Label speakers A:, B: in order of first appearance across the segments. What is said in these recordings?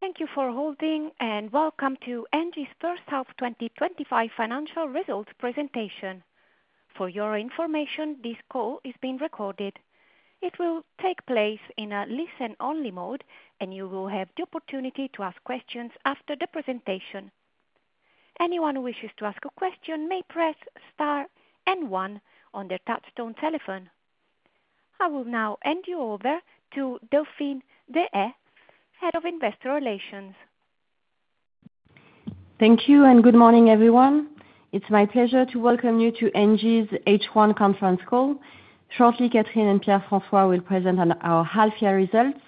A: Thank you for holding and welcome to ENGIE's first half 2025 financial results presentation. For your information, this call is being recorded. It will take place in a listen only mode and you will have the opportunity to ask questions after the presentation. Anyone who wishes to ask a question may press star N1 on their touchstone telephone. I will now hand you over to Delphine Deshayes, Head of Investor Relations.
B: Thank you and good morning everyone. It's my pleasure to welcome you to ENGIE's H1 conference call. Shortly Catherine and Pierre-François will present our half year results,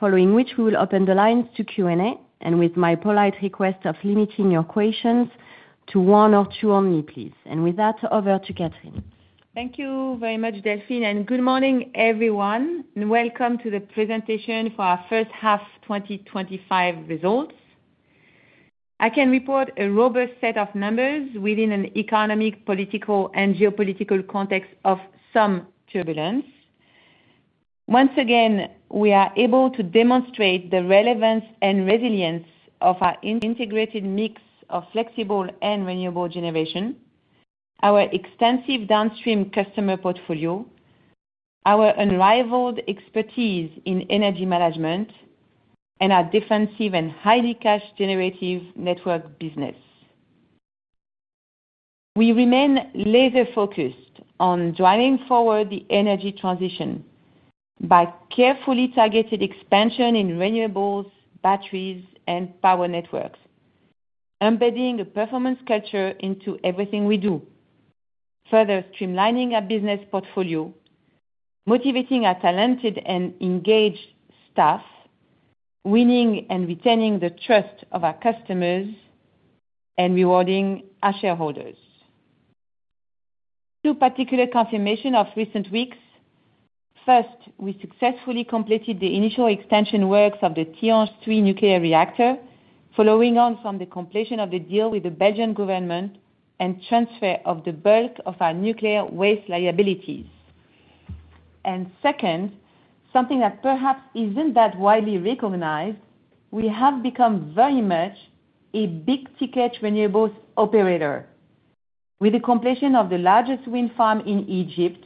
B: following which we will open the lines to Q&A with my polite request of limiting your questions to one or two only please, and with that over to Catherine.
C: Thank you very much Delphine and good morning everyone and welcome to the presentation for our first half 2025 results. I can report a robust set of numbers within an economic, political, and geopolitical context of some turbulence. Once again we are able to demonstrate the relevance and resilience of our integrated mix of flexible and renewable generation, our extensive downstream customer portfolio, our unrivaled expertise in energy management, and our defensive and highly cash generative network business. We remain laser focused on driving forward the energy transition by carefully targeted expansion in renewables, battery storage, and power networks, embedding a performance culture into everything we do, further streamlining our business portfolio, motivating our talented and engaged staff, winning and retaining the trust of our customers, and rewarding our shareholders. Two particular confirmations of recent weeks. First, we successfully completed the initial extension works of the Tihange 3 nuclear reactor, following on from the completion of the deal with the Belgian government and transfer of the bulk of our nuclear waste liabilities. Second, something that perhaps isn't that widely recognized. We have become very much a big ticket renewables operator with the completion of the largest wind farm in Egypt,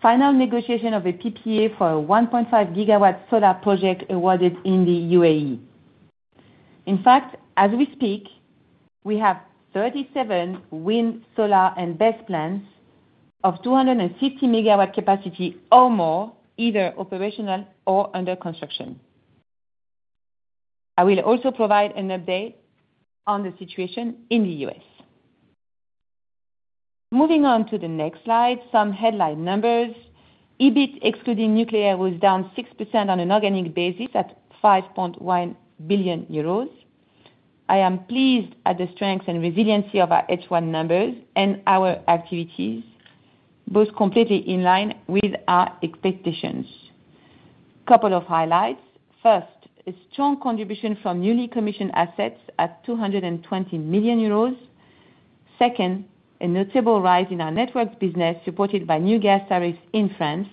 C: final negotiation of a SPPA for a 1.5 GW solar project awarded in the UAE. In fact, as we speak we have 37 wind, solar, and base plants of 250 MW capacity or more, either operational or under construction. I will also provide an update on the situation in the U.S.. Moving on to the next slide, some headline numbers. EBIT excluding nuclear was down 6% on an organic basis at 5.1 billion euros. I am pleased at the strength and resiliency of our H1 numbers and our activities, both completely in line with our expectations. Couple of highlights. First, a strong contribution from newly commissioned assets at 220 million euros. Second, a notable rise in our networks business supported by new gas tariffs in France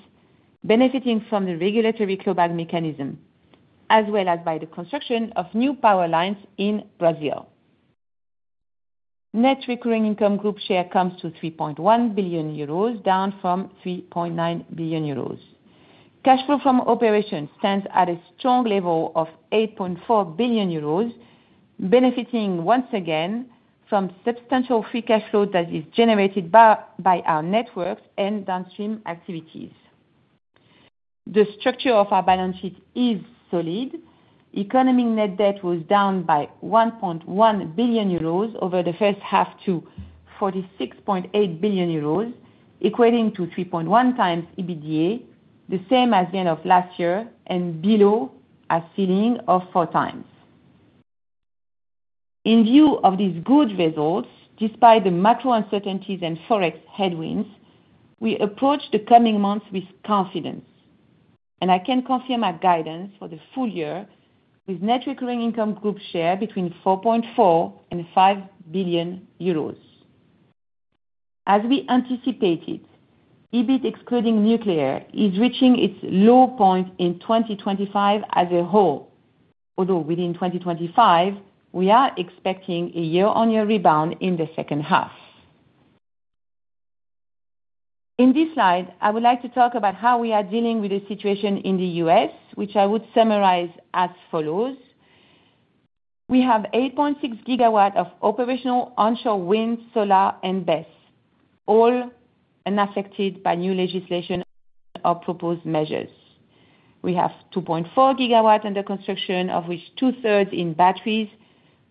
C: benefiting from the regulatory clawback mechanism as well as by the construction of new power lines in Brazil. Net recurring income group share comes to 3.1 billion euros, down from 3.9 billion euros. Cash flow from operations stands at a strong level of 8.4 billion euros, benefiting once again from substantial free cash flow that is generated by our networks and downstream activities. The structure of our balance sheet is solid. Economic net debt was down by 1.1 billion euros over the first half to 46.8 billion euros, equating to 3.1 times EBITDA, the same as the end of last year and below a ceiling of four times. In view of these good results, despite the macro uncertainties and forex headwinds, we approach the coming months with confidence and I can confirm our guidance for the full year with net recurring income group share between 4.4 and 5 billion euros. As we anticipated, EBIT excluding nuclear, is reaching its low point in 2025 as a whole, although within 2025 we are expecting a year-on-year rebound in the second half. In this slide I would like to talk about how we are dealing with the situation in the U.S., which I would summarize as follows. We have 8.6 GW of operational onshore wind, solar, and battery storage all unaffected by new legislation or proposed measures. We have 2.4 GW under construction, of which two-thirds in batteries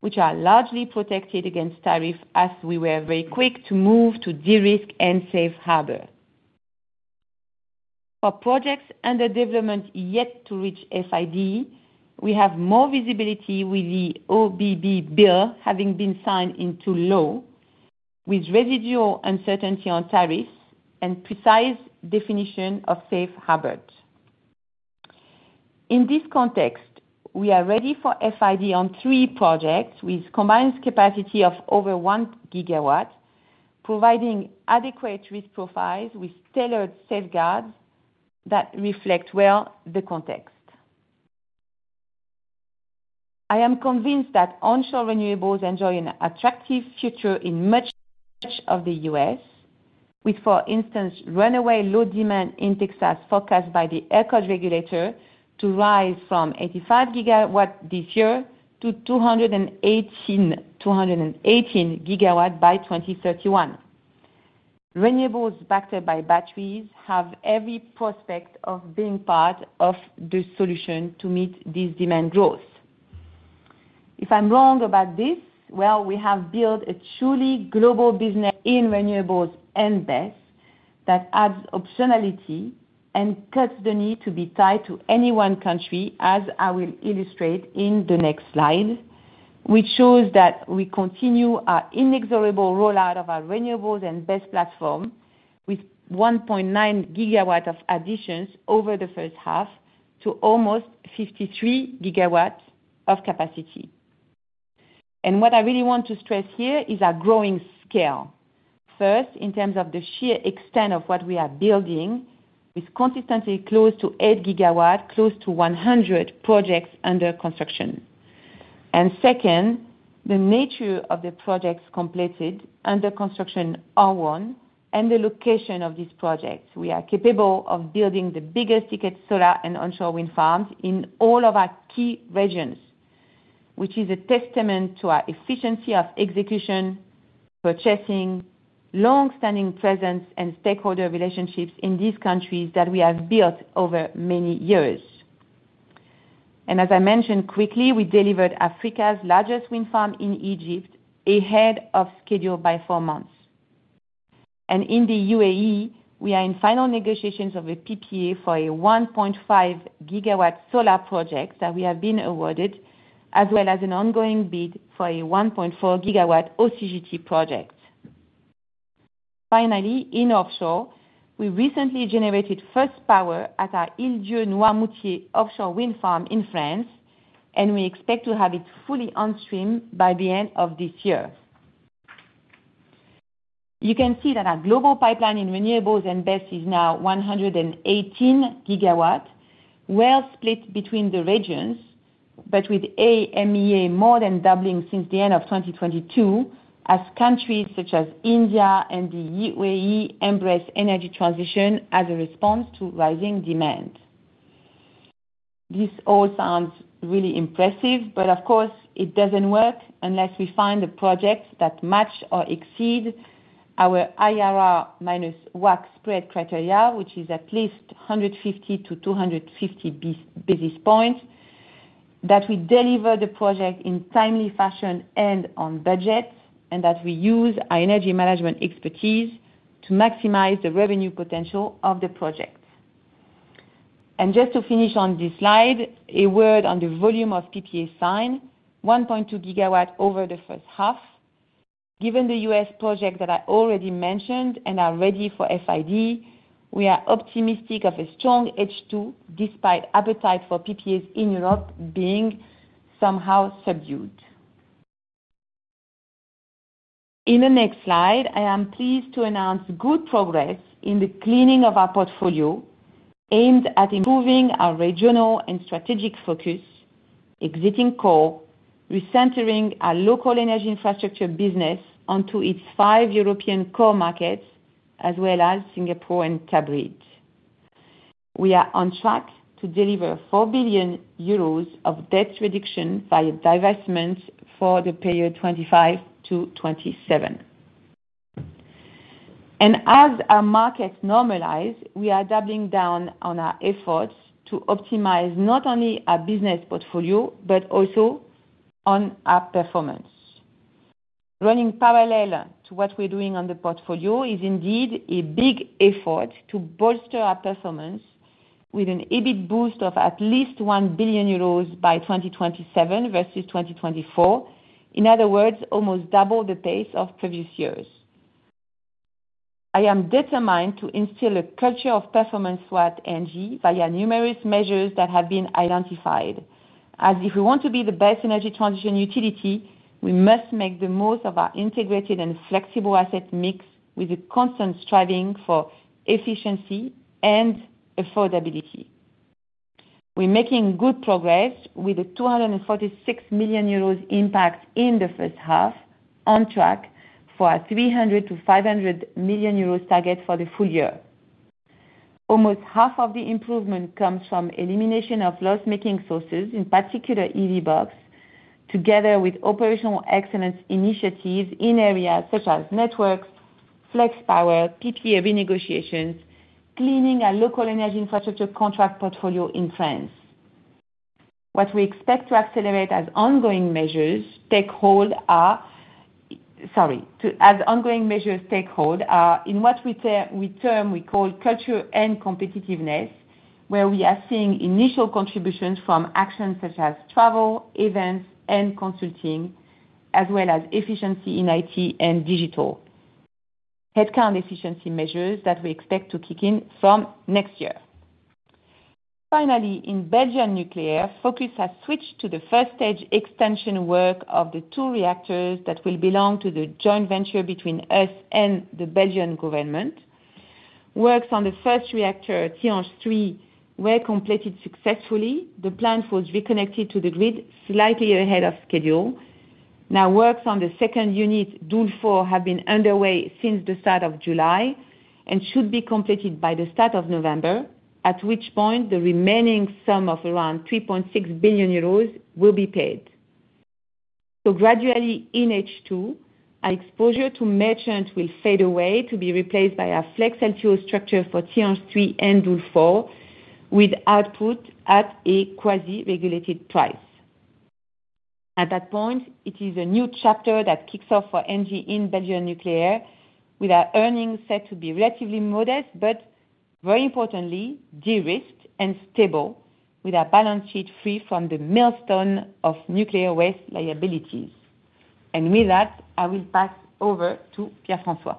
C: which are largely protected against tariff. As we were very quick to move to de-risk and safe harbor for projects under development yet to reach FID, we have more visibility with the OBB bill having been signed into law with residual uncertainty on tariffs and precise definition of safe harbor. In this context we are ready for FID on three projects with combined capacity of over 1 GW providing adequate risk profiles with tailored safeguards that reflect well the context. I am convinced that onshore renewables enjoy an attractive future in much of the U.S. with, for instance, runaway low demand in Texas forecast by the grid regulator to rise from 85 GW this year to 218 GW by 2031. Renewables backed up by batteries have every prospect of being part of the solution to meet this demand growth. If I'm wrong about this, we have built a truly global business in renewables and battery storage that adds optionality and cuts the need to be tied to any one country. As I will illustrate in the next slide, which shows that we continue our inexorable rollout of our renewables and battery storage platform with 1.9 GW of additions over the first half to almost 53 GW of capacity. What I really want to stress here is our growing scale, first in terms of the sheer extent of what we are building with consistently close to 8 GW, close to 100 projects under construction, and second the nature of the projects completed, under construction, R1, and the location of these projects. We are capable of building the biggest ticket solar and onshore wind farms in all of our key regions, which is a testament to our efficiency of execution, purchasing, long-standing presence, and stakeholder relationships in these countries that we have built over many years. As I mentioned quickly, we delivered Africa's largest wind farm in Egypt ahead of schedule by four months. In the UAE, we are in final negotiations of a PPA for a 1.5 GW solar project that we have been awarded, as well as an ongoing bid for a 1.4 GW OCGT project. Finally, in offshore, we recently generated first power at our Ile Dieu Noir Moutier offshore wind farm in France, and we expect to have it fully on stream by the end of this year. You can see that our global pipeline in renewables and battery storage is now 118 GW, well split between the regions, but with the AMEA region more than doubling since the end of 2022 as countries such as India and the UAE embrace energy transition as a response to rising demand. This all sounds really impressive, of course it doesn't work unless we find the projects that match or exceed our IRR minus WACC spread criteria, which is at least 150basis points-250 basis points, that we deliver the project in timely fashion and on budget, and that we use our energy management expertise to maximize the revenue potential of the project. Just to finish on this slide, a word on the volume of PPA signed: 1.2 GW over the first half. Given the U.S. project that I already mentioned and are ready for FID, we are optimistic of a strong H2 despite appetite for PPAs in Europe being somehow subdued. In the next slide, I am pleased to announce good progress in the cleaning of our portfolio aimed at improving our regional and strategic focus, exiting core, recentering our local energy infrastructure business onto its five European core markets as well as Singapore and Tabriz. We are on track to deliver 4 billion euros of debt reduction via divestments for the period 2025-2027, and as our market normalizes, we are doubling down on our efforts to optimize not only our business portfolio but also on our performance. Running parallel to what we're doing on the portfolio is indeed a big effort to bolster our performance, with an EBIT boost of at least 1 billion euros by 2027 versus 2024. In other words, almost double the pace of previous years. I am determined to instill a culture of performance throughout ENGIE via numerous measures that have been identified. If we want to be the best energy transition utility, we must make the most of our integrated and flexible asset mix with a constant striving for efficiency and affordability. We're making good progress with a 246 million euros impact in the first half, on track for a 300-500 million euros target for the full year. Almost half of the improvement comes from elimination of loss-making sources, in particular EVBox, together with operational excellence initiatives in areas such as networks, flex power, PPA renegotiations, cleaning our local energy infrastructure contract portfolio in France. What we expect to accelerate as ongoing measures take hold is what we term culture and competitiveness, where we are seeing initial contributions from actions such as travel, events, and consulting, as well as efficiency in IT and digital headcount efficiency measures that we expect to kick in from next year. Finally, in Belgian nuclear, focus has switched to the first stage extension work of the two reactors that will belong to the joint venture between us and the Belgian government. Works on the first reactor, Tihange 3, were completed successfully. The plant was reconnected to the grid slightly ahead of schedule. Now works on the second unit, Doel 4, have been underway since the start of July and should be completed by the start of November, at which point the remaining sum of around 3.6 billion euros will be paid. Gradually in H2 our exposure to merchants will fade away to be replaced by a flex LTO structure for Tihange 3 and Doel 4 with output at a quasi regulated price. At that point it is a new chapter that kicks off for ENGIE in Belgian nuclear, with our earnings set to be relatively modest but very importantly de-risked and stable, with our balance sheet free from the millstone of nuclear waste liabilities. With that I will pass over to Pierre-François.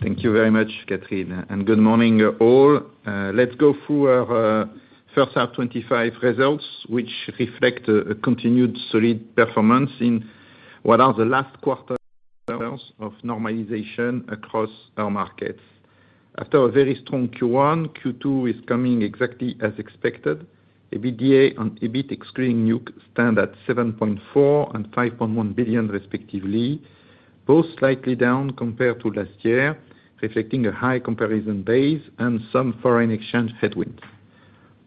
D: Thank you very much Catherine and good morning all. Let's go through our first half 2025 results which reflect a continued solid performance in what are the last quarters of normalization across our markets. After a very strong Q1, Q2 is coming exactly as expected. EBITDA and EBIT excluding nuke stand at 7.4 billion and 5.1 billion respectively, both slightly down compared to last year, reflecting a high comparison base and some foreign exchange headwinds.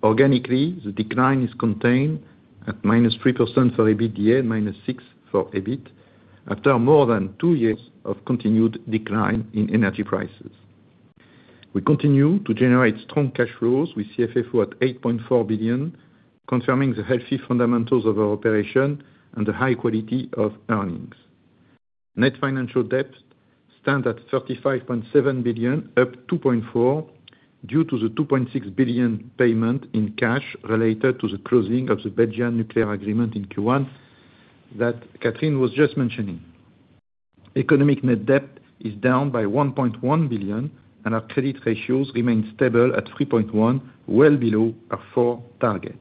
D: Organically, the decline is contained at -3% for EBITDA and -6% for EBIT. After more than two years of continued decline in energy prices, we continue to generate strong cash flows with CFFO at 8.4 billion, confirming the healthy fundamentals of our operation and the high quality of earnings. Net financial debt stands at 35.7 billion, up 2.4 billion due to the 2.6 billion payment in cash related to the closing of the Belgian nuclear agreement in Q1 that Catherine was just mentioning. Economic net debt is down by 1.1 billion and our credit ratios remain stable at 3.1%, well below our 4% target.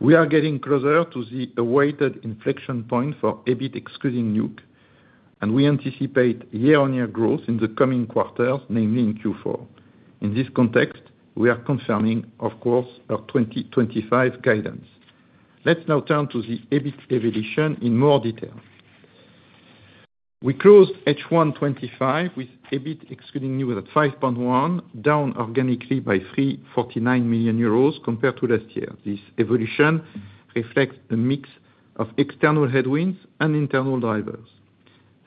D: We are getting closer to the awaited inflection point for EBIT excluding nuke, and we anticipate year-on-year growth in the coming quarters, namely in Q4. In this context, we are confirming of course our 2025 guidance. Let's now turn to the EBITDA edition in more detail. We closed H1 2025 with EBIT excluding nuke 5.1 billion, down organically by 3.49 million euros compared to last year. This evolution reflects the mix of external headwinds and internal drivers,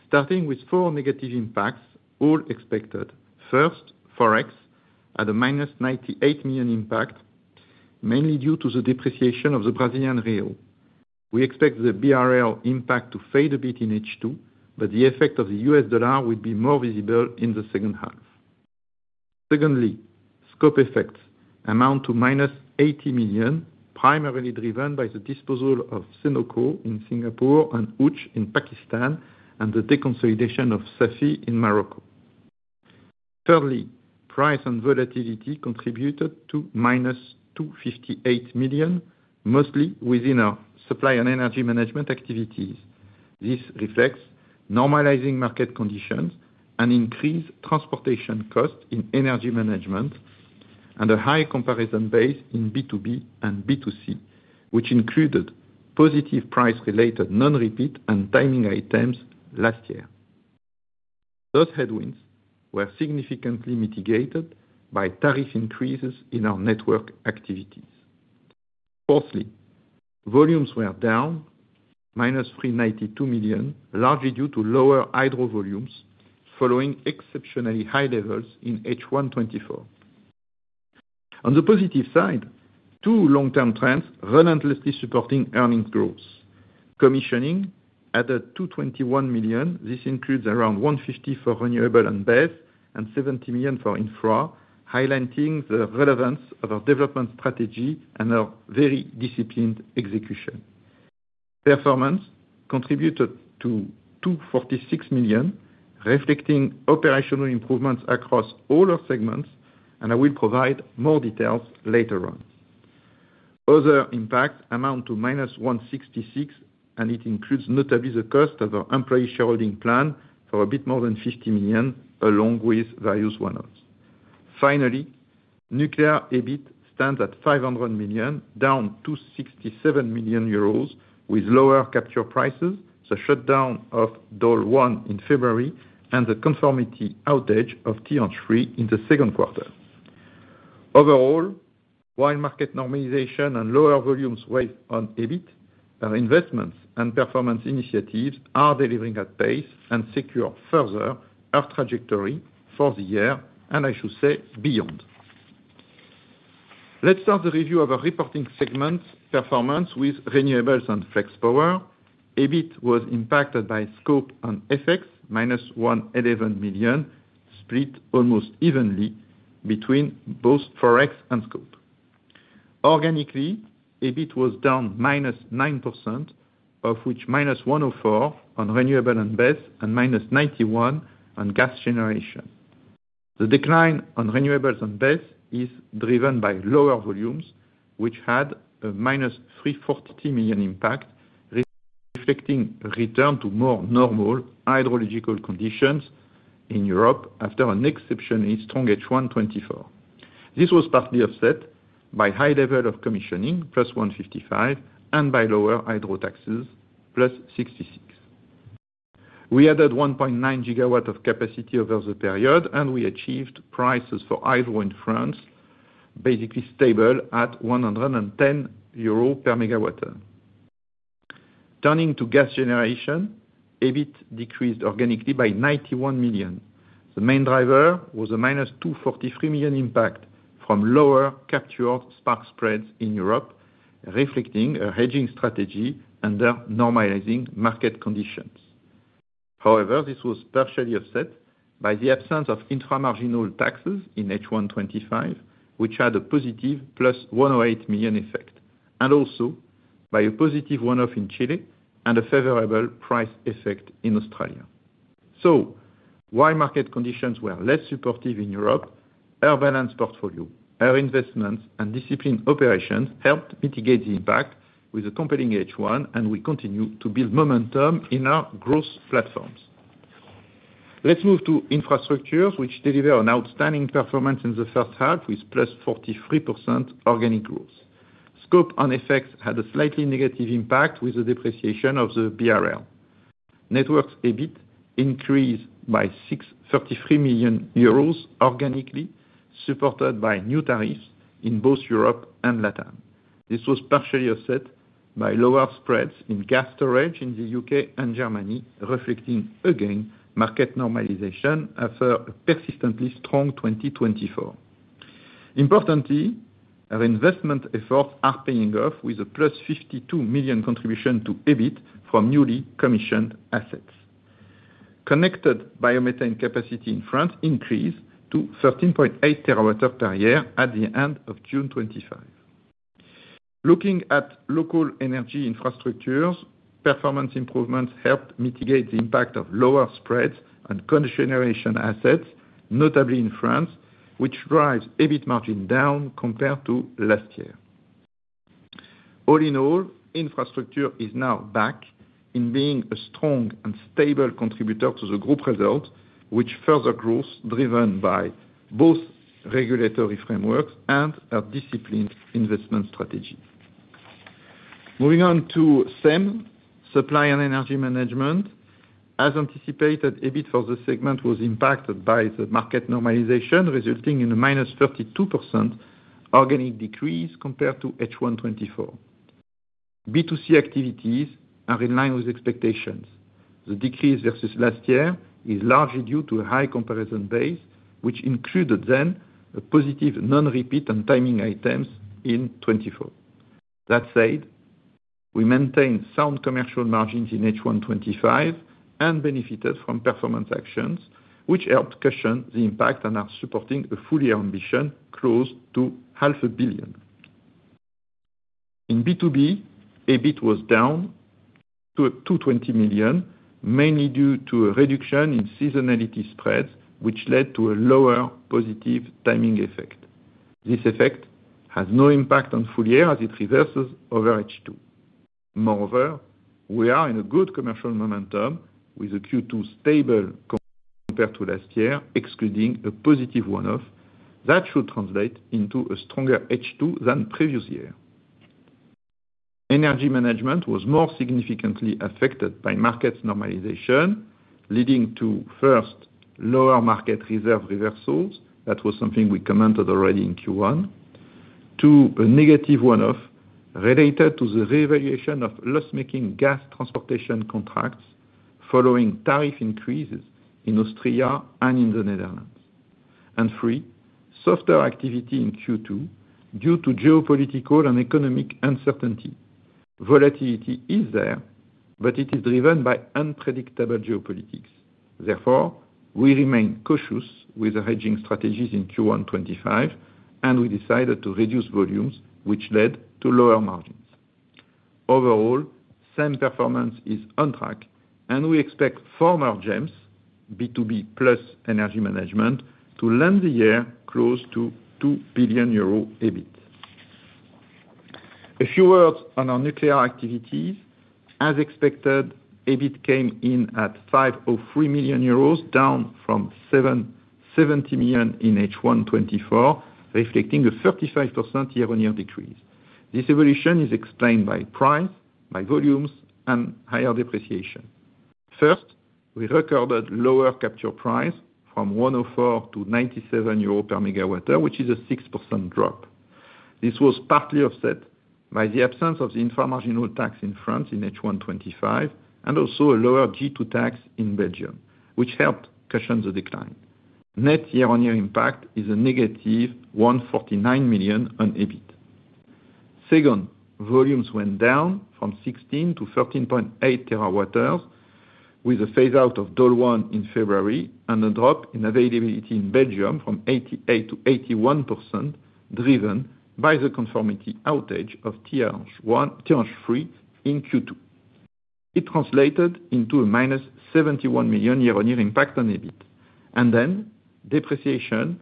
D: starting with four negative impacts all expected. First, forex at a -98 million impact mainly due to the depreciation of the Brazilian real. We expect the BRL impact to fade a bit in H2 but the effect of the U.S. dollar will be more visible in the second half. Secondly, scope effects amount to -80 million, primarily driven by the disposal of Senoco in Singapore and UCH in Pakistan and the deconsolidation of CEFI in Morocco. Thirdly, price and volatility contributed to -258 million, mostly within our supply and energy management activities. This reflects normalizing market conditions, an increased transportation cost in energy management and a high comparison base in B2B and B2C which included positive price-related, non-repeat and timing items. Last year, those headwinds were significantly mitigated by tariff increases in our network activities. Fourthly, volumes were down -392 million, largely due to lower hydro volumes following exceptionally high levels in H1 2024. On the positive side, two long-term trends relentlessly supporting earnings growth commissioning added to 21 million. This includes around 150 million for renewables and base and 70 million for infra, highlighting the relevance of our development strategy and our very disciplined execution. Performance contributed to 246 million, reflecting operational improvements across all our segments, and I will provide more details later on. Other impacts amount to -166 million, and it includes notably the cost of our employee shareholding plan for a bit more than 50 million along with various one-offs. Finally, nuclear EBIT stands at 500 million, down to 67 million euros with lower capture prices, the shutdown of DOL1 in February, and the conformity outage of Tihange 3 in the second quarter. Overall, while market normalization and lower volumes weigh on EBIT, our investments and performance initiatives are delivering at pace and secure further our trajectory for the year and I should say beyond. Let's start the review of our reporting segment performance with renewables and flex power. EBIT was impacted by scope and FX, minus 111 million, split almost evenly between both Forex and scope. Organically, EBIT was down -9%, of which -104 million on renewables and base and -91 million on gas generation. The decline on renewables and base is driven by lower volumes, which had a -340 million impact, reflecting a return to more normal hydrological conditions in Europe after an exceptionally strong H1 2024. This was partly offset by high level of commissioning, plus 155 million, and by lower hydro taxes, plus 66 million. We added 1.9 GW of capacity over the period, and we achieved prices for hydro in France basically stable at 110 euro per megawatt. Turning to gas generation, EBIT decreased organically by 91 million. The main driver was a -243 million impact from lower captured spark spreads in Europe, reflecting a hedging strategy under normalizing market conditions. However, this was partially offset by the absence of intra-marginal taxes in H1 2025, which had a positive 108 million effect, and also by a positive one-off in Chile and a favorable price effect in Australia. While market conditions were less supportive in Europe, our balanced portfolio, our investments, and disciplined operations helped mitigate the impact with a compelling H1, and we continue to build momentum in our growth platforms. Let's move to infrastructures, which delivered an outstanding performance in the first half with +43% organic growth. Scope on FX had a slightly negative impact with the depreciation of the BRL network. EBIT increased by 33 million euros organically, supported by new tariffs in both Europe and LATAM. This was partially offset by lower spreads in gas storage in the U.K. and Germany, reflecting again market normalization after a persistently strong 2024. Importantly, reinvestment efforts are paying off with a 52 million contribution to EBITDA from newly commissioned assets. Connected biomethane capacity in France increased to 13.8 TWh per year at the end of June 25th. Looking at local energy infrastructures, performance improvements helped mitigate the impact of lower spreads on generation assets, notably in France, which drives EBIT margin down compared to last year. All in all, infrastructure is now back in being a strong and stable contributor to the group result, with further growth driven by both regulatory frameworks and a disciplined investment strategy. Moving on to CEM supply and energy management, as anticipated, EBIT for the segment was impacted by the market normalization resulting in a -32% organic decrease compared to H1 2024. B2C activities are in line with expectations. The decrease versus last year is largely due to a high comparison base, which included then a positive non-repeat and timing items in 2024. That said, we maintained sound commercial margins in H1 2025 and benefited from performance actions which helped cushion the impact and are supporting a full year ambition. Close to half a billion in B2B EBIT was down to 220 million, mainly due to a reduction in seasonality spreads which led to a lower positive timing effect. This effect has no impact on full year as it reverses over H2. Moreover, we are in a good commercial momentum with a Q2 stable compared to last year, excluding a positive one-off that should translate into a stronger H2 than previous year. Energy management was more significantly affected by market normalization, leading to first lower market reserve reversals. That was something we commented already in Q1, to a negative one-off related to the revaluation of loss-making gas transportation contracts following tariff increases in Austria and in the Netherlands, and three, softer activity in Q2 due to geopolitical and economic uncertainty. Volatility is there, but it is driven by unpredictable geopolitics. Therefore, we remain cautious with the hedging strategies in Q1 2025, and we decided to reduce volumes, which led to lower margins. Overall, same performance is on track and we expect former GEMS B2B plus energy management to land the year close to 2 billion euro EBIT. A few words on our nuclear activities. As expected, EBIT came in at 503 million euros, down from 770 million in H1 2024, reflecting a 35% year-on-year decrease. This evolution is explained by price, by volumes, and higher depreciation. First, we recorded lower capture price from 104 to 97 euro per megawatt hour, which is a 6% drop. This was partly offset by the absence of the infra-marginal tax in France in H1 2025 and also a lower G2 tax in Belgium, which helped cushion the decline. Net year-on-year impact is a negative 149 million on EBIT. Second, volumes went down from 16 to 13.8 terawatt hours with a phase out of DOL1 in February and a drop in availability in Belgium from 88% to 81%, driven by the conformity outage of tranche 3 in Q2. It translated into a minus 71 million near impact on EBIT, and then depreciation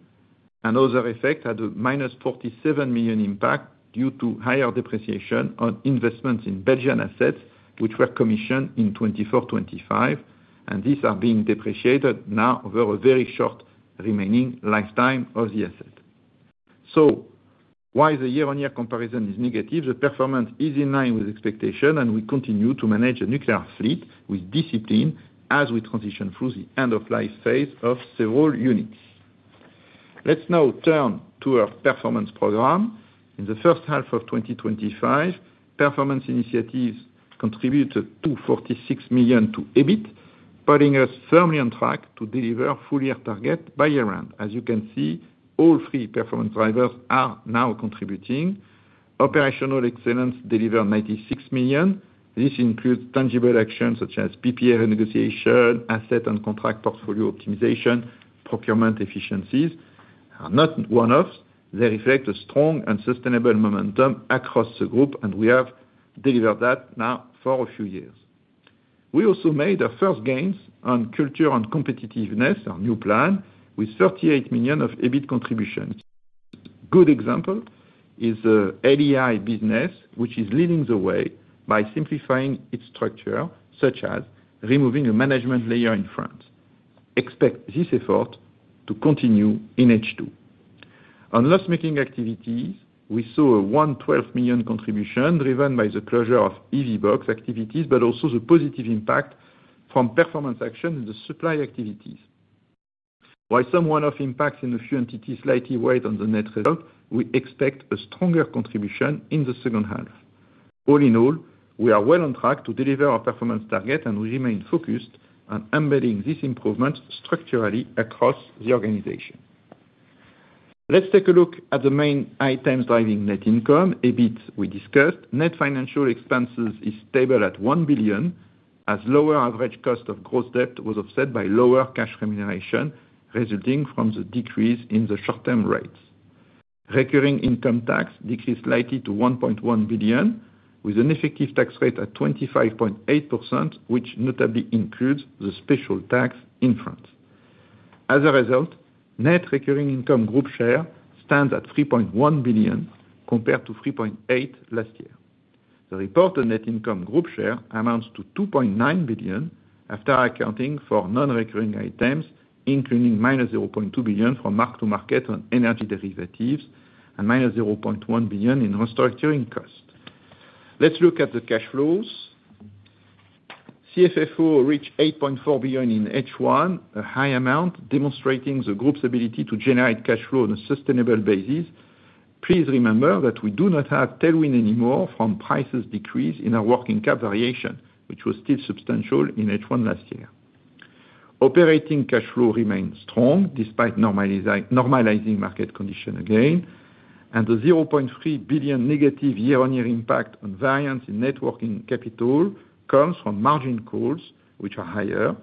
D: and other effect had a -47 million impact due to higher depreciation on investments in Belgian assets which were commissioned in 2024-2025, and these are being depreciated now over a very short remaining lifetime of the asset. While the year-on-year comparison is negative, the performance is in line with expectation and we continue to manage a nuclear fleet with discipline as we transition through the end-of-life phase of several units. Let's now turn to our performance program. In the first half of 2025, performance initiatives contributed 246 million to EBIT, putting us firmly on track to deliver full year target by year end. As you can see, all three performance drivers are now contributing. Operational excellence delivered 96 million. This includes tangible actions such as PPA renegotiation, asset and contract portfolio optimization. Procurement efficiencies are not one-offs, they reflect a strong and sustainable momentum across the group and we have delivered that now for a few years. We also made our first gains on culture and competitiveness. Our new plan with 38 million of EBIT contributions. Good example is ADI business which is leading the way by simplifying its structure such as removing a management layer in France. Expect this effort to continue in H2. On loss-making activities, we saw a 112 million contribution driven by the closure of EV Box activities, but also the positive impact from performance action in the supply activities. While some one-off impacts in a few entities slightly weighed on the net result, we expect a stronger contribution in the second half. All in all, we are well on track to deliver our performance target, and we remain focused on embedding these improvements structurally across the organization. Let's take a look at the main items driving net income. EBIT we discussed. Net financial expenses is stable at $1 billion as lower average cost of gross debt was offset by lower cash remuneration resulting from the decrease in the short-term rate. Recurring income tax decreased slightly to $1.1 billion with an effective tax rate at 25.8%, which notably includes the special tax in France. As a result, net recurring income group share stands at $3.1 billion compared to $3.8 billion last year. The reported net income group share amounts to $2.9 billion after accounting for non-recurring items, including minus $0.2 billion from mark-to-market on energy derivatives and minus $0.1 billion in restructuring costs. Let's look at the cash flows. CFFO reached $8.4 billion in H1, a high amount demonstrating the group's ability to generate cash flow on a sustainable basis. Please remember that we do not have tailwind anymore from prices decrease in our working cap variation, which was still substantial in H1 last year. Operating cash flow remains strong despite normalizing market condition again, and the $0.3 billion negative year-on-year impact on variance in net working capital comes from margin calls, which are higher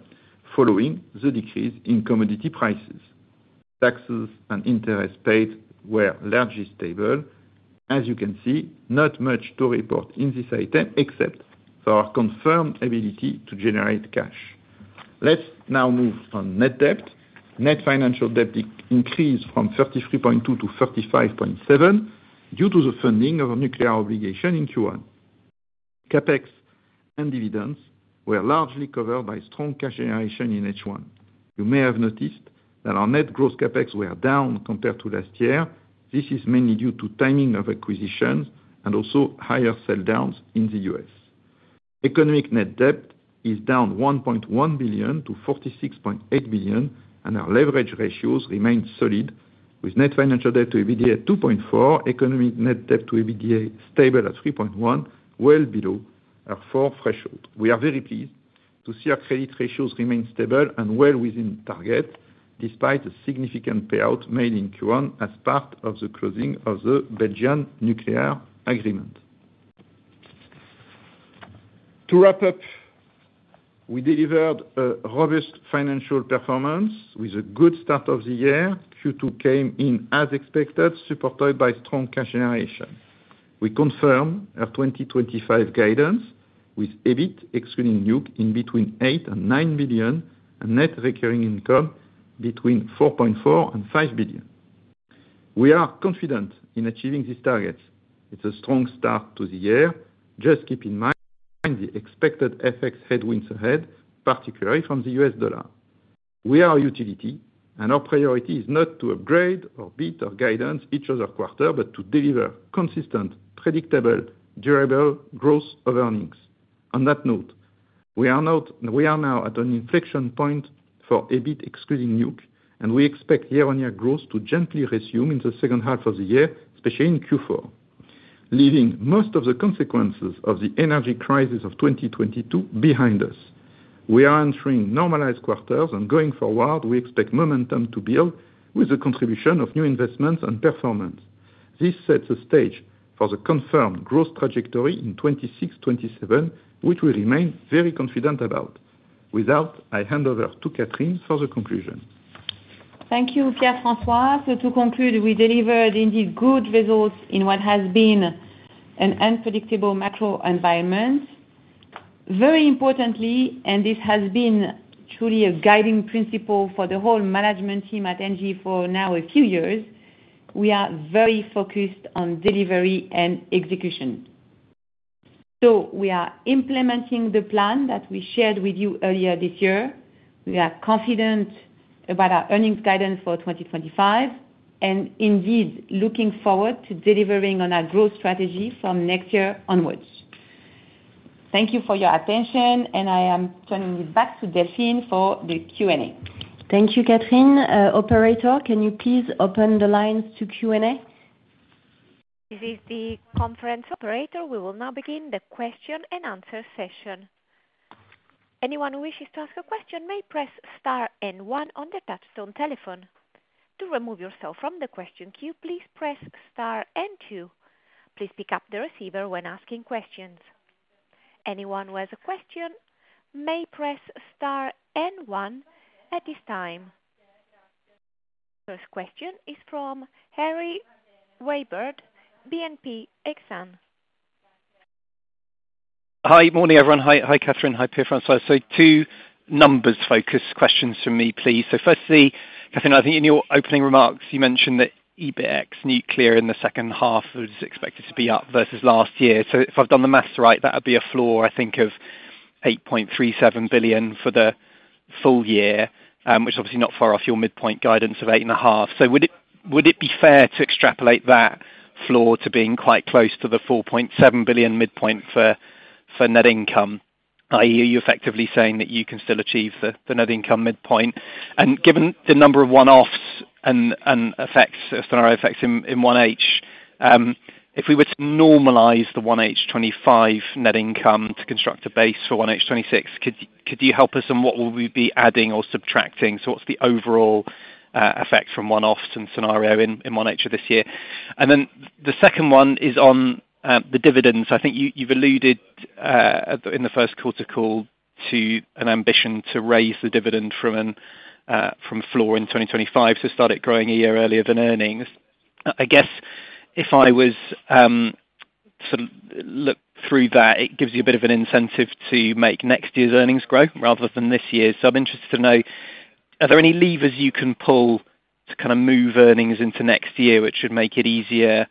D: following the decrease in commodity prices. Taxes and interest paid were largely stable, as you can see. Not much to report in this item except for our confirmed ability to generate cash. Let's now move on. Net debt. Net financial debt increased from $33.2 billion to $35.7 billion due to the funding of a nuclear obligation in Q1. CapEx and dividends were largely covered by strong cash generation in H1. You may have noticed that our net gross CapEx were down compared to last year. This is mainly due to timing of acquisitions and also higher sell-downs in the U.S. Economic net debt is down $1.1 billion to $46.8 billion, and our leverage ratios remain solid with net financial debt to EBITDA at 2.4%. Economic net debt to EBITDA stable at 3.1%, well below our 4% threshold. We are very pleased to see our credit ratios remain stable and well within target despite a significant payout made in Q1 as part of the closing of the Belgian nuclear agreement. To wrap up. We delivered a robust financial performance with a good start of the year. Q2 came in as expected, supported by strong cash generation. We confirmed our 2025 guidance with EBIT excluding Nuke in between 8 billion and 9 billion and net recurring income between 4.4 billion and 5 billion. We are confident in achieving these targets. It's a strong start to the year. Just keep in mind the expected FX headwinds ahead, particularly from the U.S. Dollar. We are a utility and our priority is not to upgrade or beat our guidance each quarter, but to deliver consistent, predictable, durable growth of earnings. On that note, we are now at an inflection point for EBIT excluding Nuke and we expect year-on-year growth to gently resume in the second half of the year, especially in Q4, leaving most of the consequences of the energy crisis of 2022 behind us. We are entering normalized quarters and going forward we expect momentum to build with the contribution of new investments and performance. This sets the stage for the confirmed growth trajectory in 2026-2027, which we remain very confident about. Without further ado, I hand over to Catherine for the conclusion.
C: Thank you, Pierre-François. To conclude, we delivered indeed good results in what has been an unpredictable macro environment. Very importantly, and this has been truly a guiding principle for the whole management team at ENGIE for now a few years, we are very focused on delivery and execution. We are implementing the plan that we shared with you earlier this year. We are confident about our earnings guidance for 2025 and indeed looking forward to delivering on our growth strategy from next year onwards. Thank you for your attention and I am turning it back to Delphine for the Q&A.
B: Thank you, Catherine. Operator, can you please open the lines. To Q&A? This is the conference operator. We will now begin the question and answer session. Anyone who wishes to ask a question may press star N1 on the touch-tone telephone. To remove yourself from the question queue, please press star N2. Please pick up the receiver when asking questions. Anyone who has a question may press star N1 at this time. First question is from Harry Wyburd, BNP Exane.
E: Hi, morning everyone. Hi, Catherine. Hi, Pierre. Francois. Two numbers focused questions for me please. Firstly, Catherine, I think in your opening remarks you mentioned that EBITx Nuclear in the second half is expected to be up versus last year. If I've done the maths right, that would be a floor, I think, of 8.37 billion for the full year, which is obviously not far off your midpoint guidance of 8.5 billion. Would it be fair to extrapolate that floor to being quite close to the 4.7 billion midpoint for net income? That is, are you effectively saying that you can still achieve the net income midpoint? Given the number of one-offs and scenario effects in 1H, if we were to normalize the 1H 2025 net income to construct a base for 1H 2026, could you help us on what we will be adding or subtracting? What's the overall effect from one-offs and scenario in 1H this year? The second one is on the dividends. I think you've alluded in the first quarter call to an ambition to raise the dividend from floor in 2025 to start it growing a year earlier than earnings. I guess if I was to look through that, it gives you a bit of an incentive to make next year's earnings growth rather than this year. I'm interested to know, are there any levers you can pull to kind of move earnings into next year which should make it easier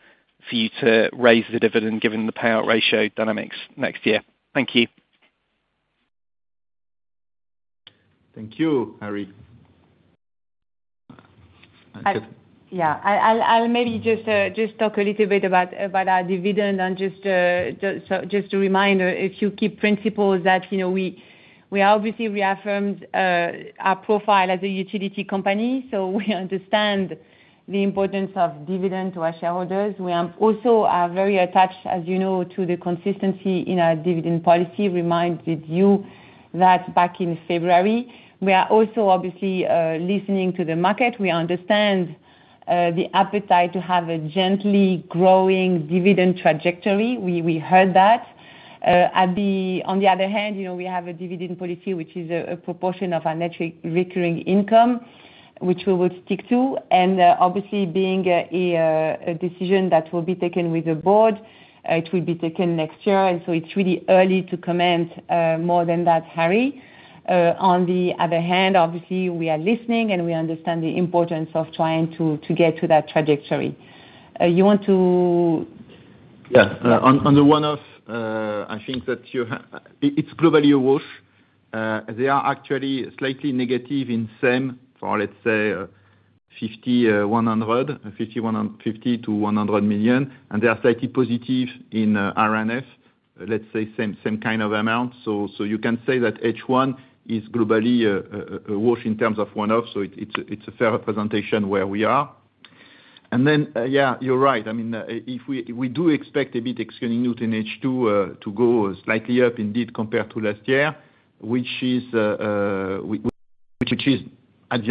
E: for you to raise the dividend given the payout ratio dynamics next year. Thank you.
D: Thank you, Harry.
C: Yeah, I'll maybe just talk a little bit about our dividend. Just a reminder, if you keep principles that we obviously reaffirmed our profile as a utility company, we understand the importance of dividend to our shareholders. We are also very attached, as you know, to the consistency in our dividend policy. Reminded you that back in February. We are also obviously listening to the market. We understand the appetite to have a gently growing dividend trajectory. We heard that. On the other hand, we have a dividend policy which is a proportion of our net recurring income, which we would stick to. Obviously, being a decision that will be taken with the board, it will be taken next year. It's really early to comment more than that, Harry. On the other hand, obviously we are listening and we understand the importance of trying to get to that trajectory. You want to.
D: Yeah. On the one-off, I think that you have. It's globally awash. They are actually slightly negative in same for, let's say, $50 million-$100 million, and they are slightly positive in RNF, let's say, same kind of amount. You can say that H1 is globally washed in terms of one-off. It's a fair representation where we are. Yeah, you're right. I mean, we do expect EBITDA to go slightly up indeed compared to last year, which is at the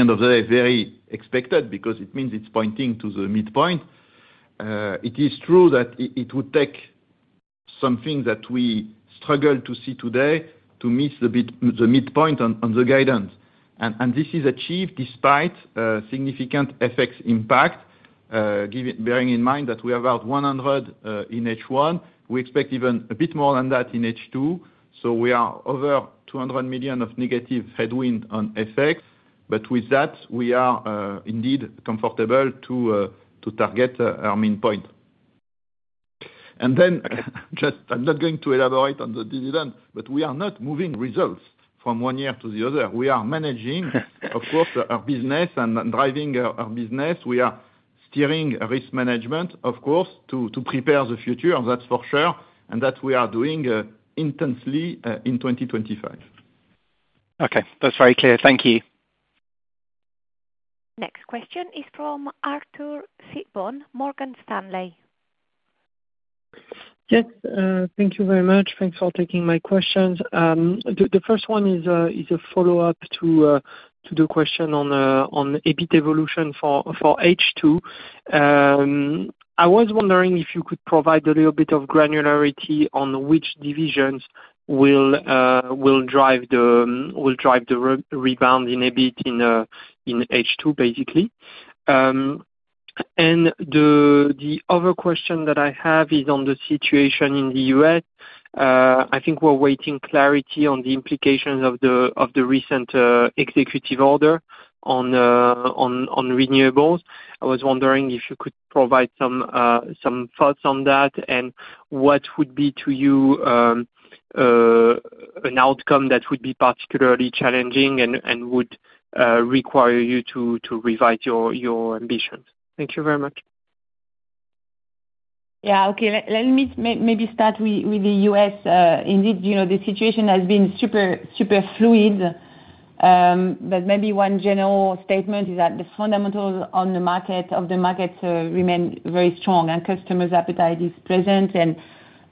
D: end of the day very expected because it means it's pointing to the midpoint. It is true that it would take something that we struggle to see today to meet the midpoint on the guidance. This is achieved despite significant FX impact. Bearing in mind that we have about $100 million in H1, we expect even a bit more than that in H2. We are over $200 million of negative headwind on FX. With that, we are indeed comfortable to target our main point. I'm not going to elaborate on the dividend, but we are not moving results from one year to the other. We are managing, of course, our business and driving our business. We are steering risk management, of course, to prepare the future, that's for sure, and that we are doing intensely in 2025.
E: Okay, that's very clear. Thank you.
A: Next question is from Arthur Sitbon, Morgan Stanley.
F: Yes, thank you very much. Thanks for taking my questions. The first one is a follow-up. To the question on EBIT evolution for H2, I was wondering if you could provide a little bit of granularity on which divisions will drive the rebound in EBIT in H2 basically. The other question that I have. Is on the situation in the U.S. I think we're waiting clarity on the implications of the recent executive order on renewables. I was wondering if you could provide some thoughts on that and what would be to you an outcome that would be particularly challenging and would require you to revise your ambitions. Thank you very much.
C: Yeah. Okay, let me maybe start with the U.S. Indeed the situation has been super fluid. Maybe one general statement is that the fundamentals of the market remain very strong and customers' appetite is present.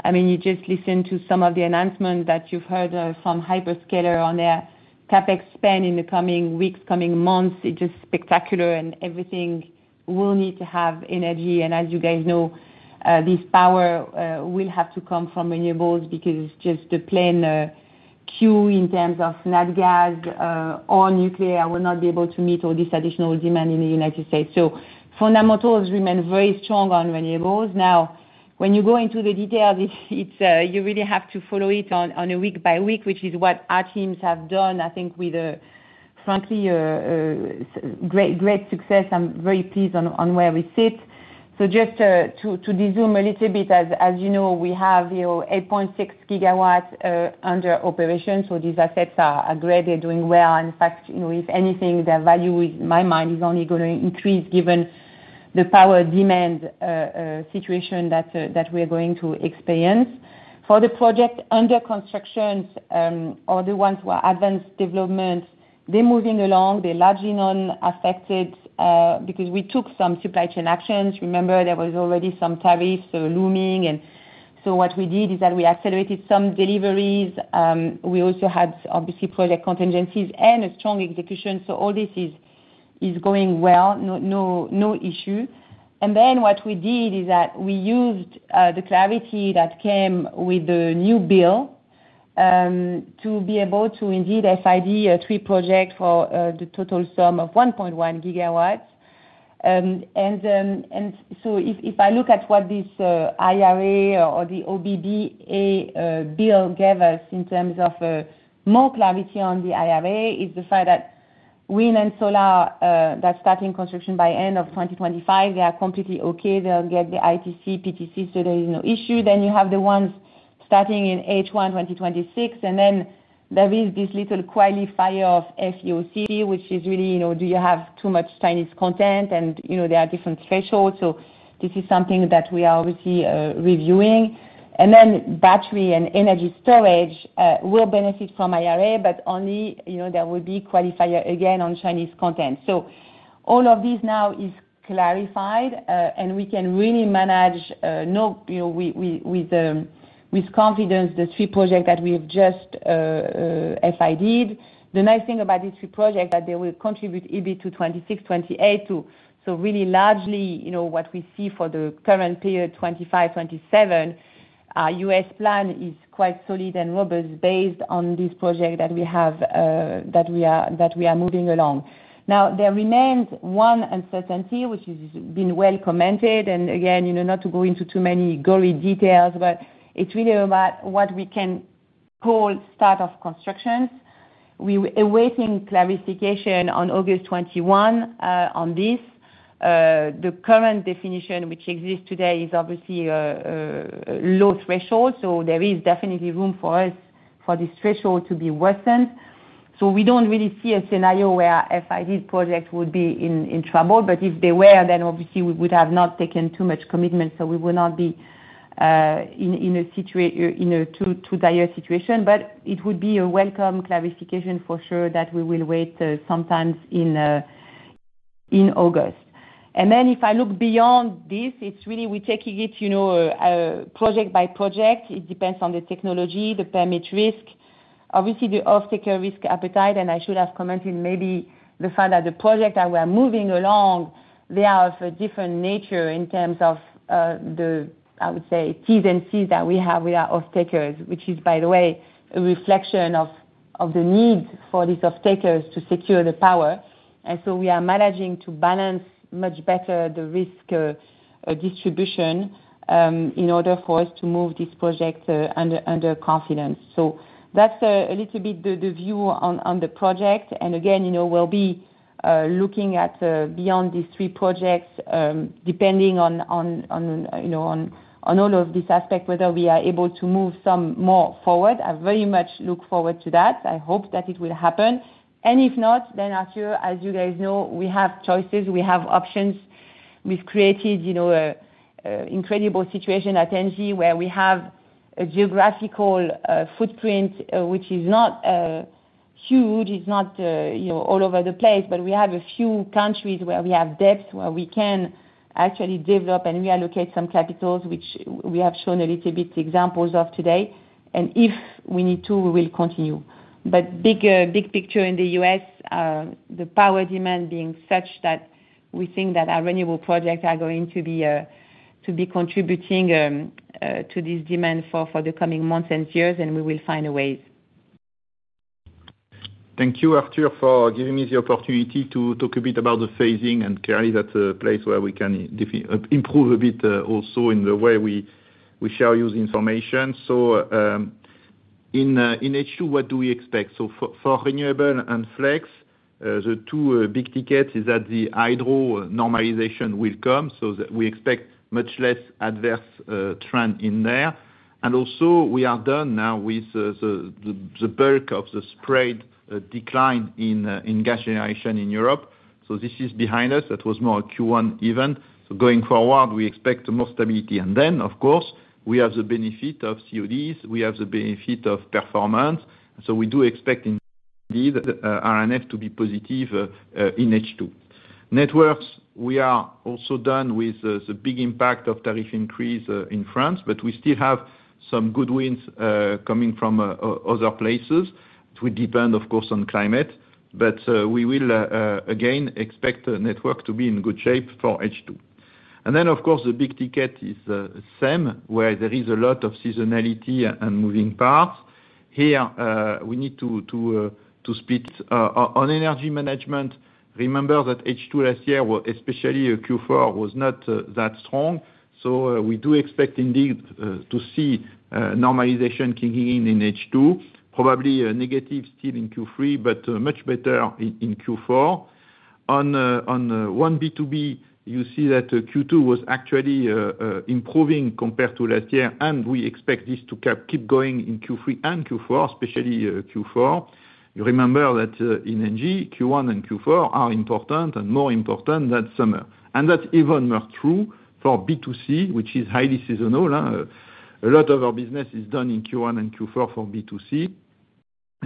C: I mean you just listen to some of the announcements that you've heard from hyperscaler on their CapEx spend in the coming weeks, coming months. It's just spectacular. Everything will need to have energy. As you guys know, this power will have to come from renewables because it's just a plain queue in terms of nat gas or nuclear will not be able to meet all this additional demand in the United States. Fundamentals remain very strong on renewables. Now, when you go into the details, you really have to follow it on a week by week, which is what our teams have done I think with frankly great success. I'm very pleased on where we sit. Just to zoom a little bit, as you know, we have 8.6 GW under operation. These assets are great, they're doing well. In fact, if anything, their value in my mind is only going to increase given the power demand situation that we are going to experience. For the projects under construction or the ones who are advanced development, they're moving along, they're largely non-affected because we took some supply chain actions. Remember there were already some tariffs looming. What we did is that we accelerated some deliveries. We also had obviously project contingencies and a strong execution. All this is going well, no issue. What we did is that we used the clarity that came with the new bill to be able to indeed FID three projects for the total sum of 1.1 GW. If I look at what this IRA or the OBD bill gave us in terms of more clarity on the IRA, it is the fact that wind and solar that's starting construction by end of 2025, they are completely okay. They'll get the ITC, PTC. There is no issue. You have the ones starting in H1 2026. There is this little qualifier of FEOC which is really, you know, do you have too much Chinese content? There are different thresholds. This is something that we are obviously reviewing. Battery and energy storage will benefit from IRA, but only there will be qualifier again on Chinese content. All of these now is clarified and we can really manage with confidence the three projects that we have just FID. The nice thing about these three projects is that they will contribute EBIT to 2026, 2028 too. Really, largely what we see for the current period 2025, 2027, our U.S. plan is quite solid and robust based on this project that we are moving along now. There remains one uncertainty which has been well commented, and again, not to go into too many gory details, but it's really about what we can call start of construction. We are awaiting clarification on August 21 on this. The current definition which exists today is obviously low threshold. There is definitely room for us for this threshold to be worsened. We don't really see a scenario where FID projects would be in trouble. If they were, then obviously we would have not taken too much commitment, so we would not be in a too dire situation. It would be a welcome clarification for sure that we will wait sometimes in August. If I look beyond this, it's really we're taking it project by project. It depends on the technology, the permit risk, obviously the off-taker risk appetite. I should have commented maybe the fact that the project that we are moving along, they are of a different nature in terms of the, I would say, T's and C's that we have with our off-takers, which is, by the way, a reflection of the need for these off-takers to secure the power. We are managing to balance much better the risk distribution in order for us to move this project under confidence. That's a little bit the view on the project. Again, we'll be looking at beyond these three projects depending on all of this aspect, whether we are able to move some more. I very much look forward to that. I hope that it will happen. If not, then Arturo, as you guys know, we have choices, we have options. We've created an incredible situation at ENGIE where we have a geographical footprint which is not huge, it's not all over the place, but we have a few countries where we have depth, where we can actually develop and reallocate some capital, which we have shown a little bit examples of today, and if we need to, we will continue. Big picture in the U.S., the power demand being such that we think that our renewable projects are going to be contributing to this demand for the coming months and years. We will find a way.
D: Thank you, Arthur, for giving me the opportunity to talk a bit about the phasing. Clearly, that's a place where we can improve a bit also in the way we share you the information. In H2, what do we expect? For renewables and flex, the two big tickets are that the hydro normalization will come, so we expect a much less adverse trend in there. We are done now with the bulk of the spread decline in gas generation in Europe, so this is behind us. That was more a Q1 event. Going forward, we expect more stability. Of course, we have the benefit of CODs, we have the benefit of performance. We do expect RNF to be positive in H2. Networks, we are also done with the big impact of tariff increase in France, but we still have some good wins coming from other places. We depend, of course, on climate, but we will again expect the network to be in good shape for H2. The big ticket is same where there is a lot of seasonality and moving parts. Here, we need to speed on energy management. Remember that H2 last year, especially Q4, was not that strong. We do expect indeed to see normalization kicking in in H2, probably negative still in Q3, but much better in Q4. On B2B, you see that Q2 was actually improving compared to last year. We expect this to keep going in Q3 and Q4, especially Q4. You remember that in ENGIE, Q1 and Q4 are important and more important than summer. That's even more true for B2C, which is highly seasonal. A lot of our business is done in Q1 and Q4 for B2C.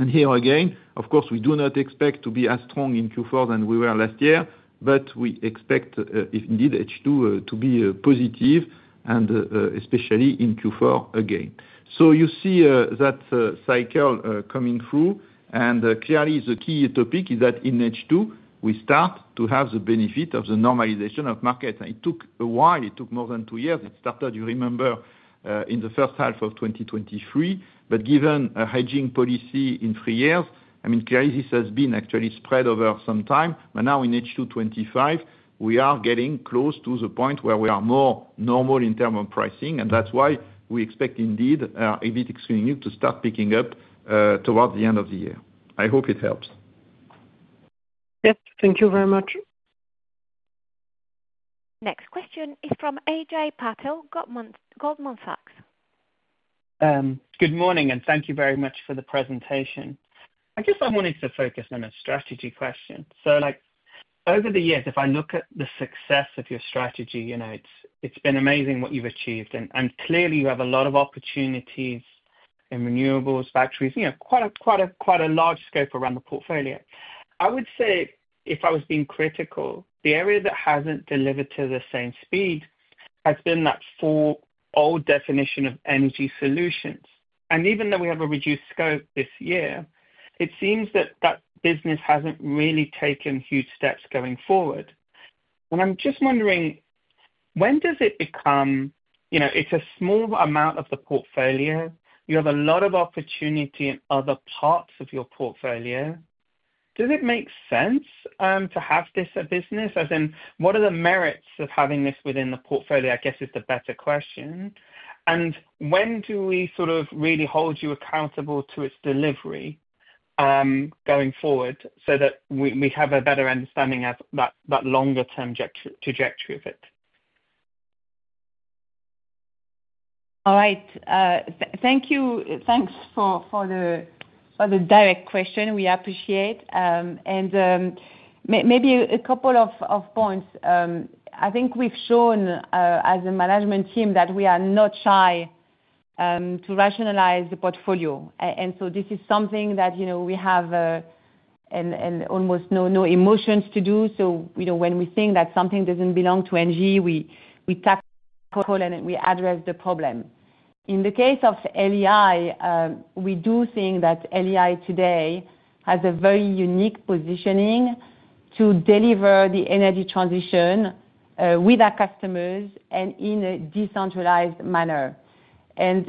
D: Here again, of course, we do not expect to be as strong in Q4 as we were last year, but we expect indeed H2 to be positive and especially in Q4 again. You see that cycle coming through. Clearly, the key topic is that in H2 we start to have the benefit of the normalization of markets. It took a while, it took more than two years. It started, you remember, in the first half of 2023, but given a hedging policy in three years, I mean, crisis has been actually spread over some time. Now in H2 25 we are getting close to the point where we are more normal in terms of pricing. That's why we expect indeed EBITDA to start picking up towards the end of the year. I hope it helps.
C: Yes, thank you very much.
A: Next question is from Jay Patel, Goldman Sachs.
G: Good morning and thank you very much for the presentation. I guess I wanted to focus on a strategy question. Over the years, if I look at the success of your strategy, it's been amazing what you've achieved and clearly you have a lot of opportunities in renewables factories. You know, quite a large scope around the portfolio. I would say if I was being critical, the area that hasn't delivered to the same speed has been that old definition of energy solutions. Even though we have a reduced scope this year, it seems that business hasn't really taken huge steps going forward. I'm just wondering when does it become, you know, it's a small amount of the portfolio. You have a lot of opportunity in other parts of your portfolio. Does it make sense to have this business as in what are the merits of having this within the portfolio? I guess is the better question. When do we sort of really hold you accountable to its delivery going forward so that we have a better understanding of that longer term trajectory of it?
C: All right, thank you. Thanks for the direct question. We appreciate it and maybe a couple of points. I think we've shown as a management team that we are not shy to rationalize the portfolio. This is something that we have almost no emotions to do. When we think that something doesn't belong to ENGIE, we tackle and we address the problem. In the case of LEI, we do think that LEI today has a very unique positioning to deliver the energy transition with our customers and in a decentralized manner.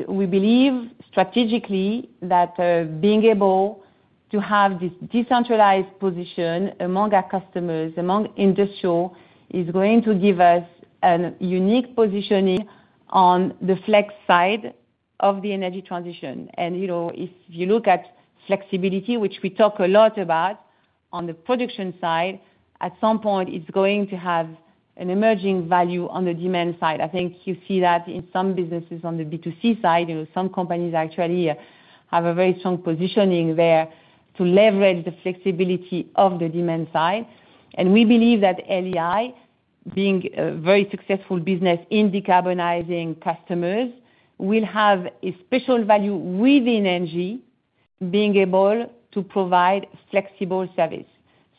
C: We believe strategically that being able to have this decentralized position among our customers, among industrials, is going to give us a unique positioning on the flex side of the energy transition. If you look at flexibility, which we talk a lot about on the production side, at some point it's going to have an emerging value on the demand side. I think you see that in some businesses on the B2C side, some companies actually have a very strong positioning there to leverage the flexibility of the demand side. We believe that LEI, being a very successful business in decarbonizing customers, will have a special value within ENGIE being able to provide flexible service.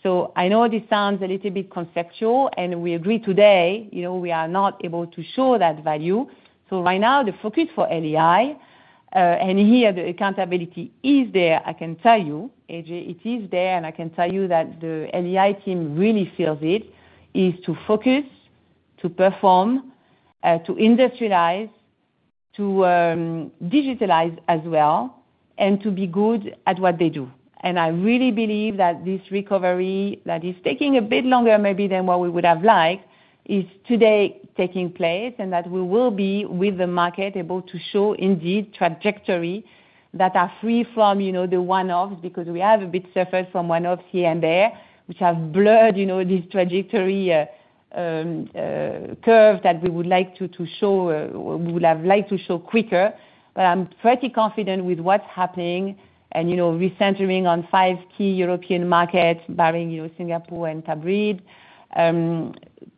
C: I know this sounds a little bit conceptual and we agree today we are not able to show that value. Right now the focus for LEI, and here the accountability is there, I can tell you. Jay it is there. I can tell you that the LEI team really feels it is to focus, to perform, to industrialize, to digitalize as well, and to be good at what they do. I really believe that this recovery that is taking a bit longer maybe than what we would have liked is today taking place and that we will be with the market able to show indeed trajectory that are free from the one-offs, because we have a bit suffered from one-offs here and there which have blurred this trajectory curve that we would like to show quicker. I'm pretty confident with what's happening and recentering on five key European markets, barring Singapore and Tabrid,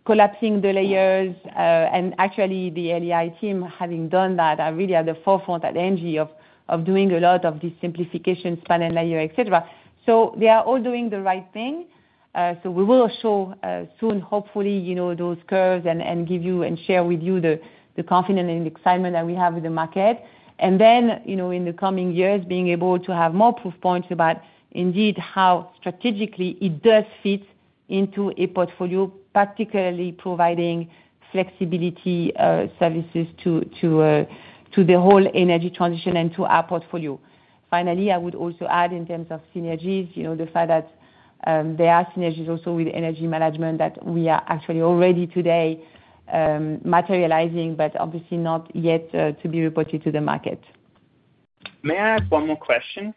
C: collapsing the layers and actually the LEI team having done that, are really at the forefront at ENGIE of doing a lot of these simplifications, panel layer, et cetera. They are all doing the right thing. We will show soon hopefully those curves and give you and share with you the confidence and excitement that we have with the market, and then in the coming years being able to have more proof points about indeed how strategically it does fit into a portfolio, particularly providing flexibility services to the whole energy transition and to our portfolio. Finally, I would also add in terms of synergies, the fact that there are synergies also with energy management that we are actually already today materializing, but obviously not yet to be reported to the market.
G: May I have one more question?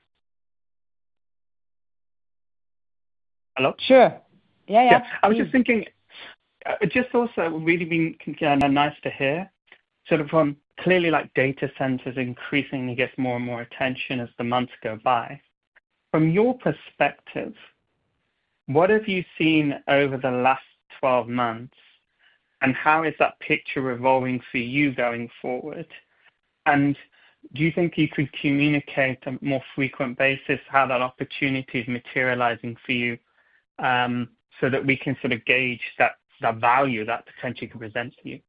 G: Hello.
C: Sure.
G: Yeah, I was just thinking, it's also really nice to hear sort of clearly, like data centers increasingly get more and more attention as the months go by. From your perspective, what have you seen over the last 12 months, and how is that picture evolving for you going forward? Do you think you could communicate on a more frequent basis how that opportunity is materializing for you so that we can sort of gauge that value that potentially could present to you?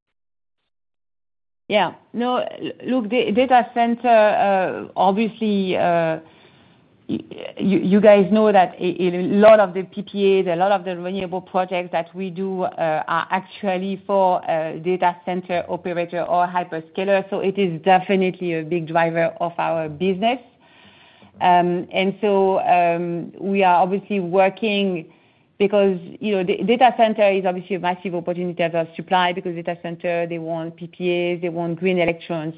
C: Yeah, no, look, data center, obviously you guys know that a lot of the PPAs, a lot of the renewable projects that we do are actually for data center operator or hyperscaler. It is definitely a big driver of our business. We are obviously working because data center is obviously a massive opportunity in terms of supply. Data center, they want PPAs, they want green electrons.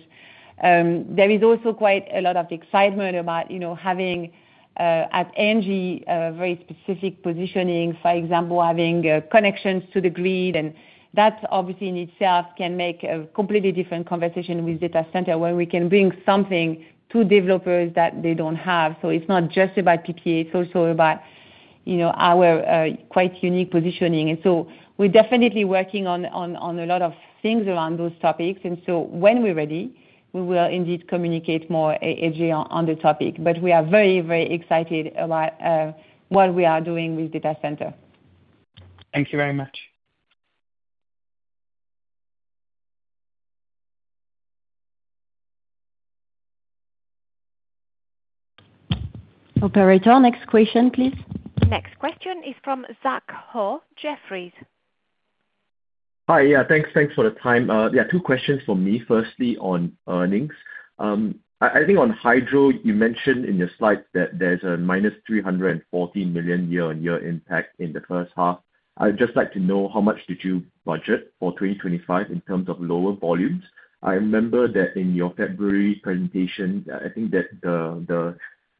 C: There is also quite a lot of excitement about having at ENGIE very specific positioning, for example, having connections to the grid. That obviously in itself can make a completely different conversation with data center where we can bring something to developers that they don't have. It's not just about PPA, it's also about our quite unique positioning and we're definitely working on a lot of things around those topics. When we're ready, we will indeed communicate more on the topic. We are very, very excited about what we are doing with data center.
G: Thank you very much. Much.
C: Operator, next question please.
A: Next question is from Zach Ho Jefferies.
H: Hi, thanks for the time. There are two questions for me. Firstly on earnings, I think on Hydro, you mentioned in your slides that there's a minus $314 million year on year impact in the first half. I'd just like to know how much did you budget for 2025 in terms of lower volumes? I remember that in your February presentation I think that the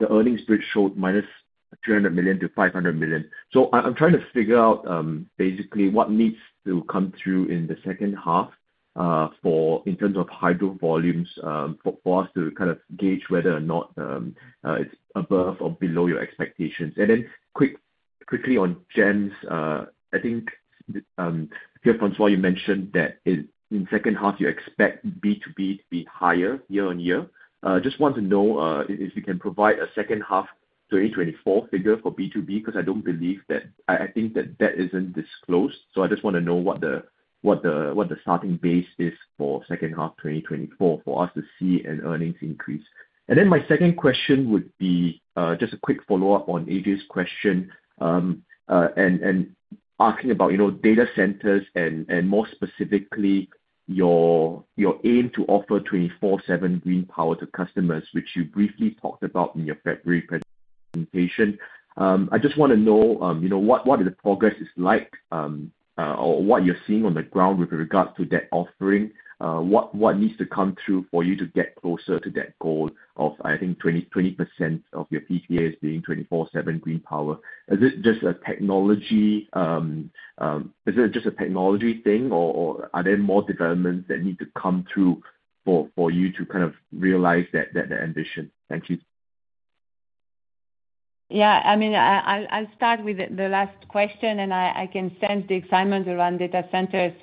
H: earnings showed minus $300 million to $500 million. I'm trying to figure out basically what needs to come through in the second half in terms of Hydro volumes for us to kind of gauge whether or not it's above or below your expectations. Quickly on gens, I think Pierre-François, you mentioned that in second half you expect B2B to be higher year on year. Just want to know if you can provide a second half 2024 figure for B2B because I don't believe that. I think that isn't disclosed. I just want to know what the starting base is for second half 2024 for us to see an earnings increase. My second question would be just a quick follow up on Jay's question and asking about data centers and more specifically your aim to offer 24/7 green power to customers, which you briefly talked about in your February presentation. I just want to know what the progress is like or what you're seeing on the ground with regards to that offering. What needs to come through for you to get closer to that goal of I think 20% of your PCAs being 24/7 green power. Is it just a technology, is it just a technology thing or are there more developments that need to come through for you to kind of realize that ambition? Thank you.
C: Yeah, I mean, I'll start with the last question. I can sense the excitement around Data Center.